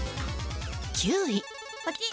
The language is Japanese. ９位。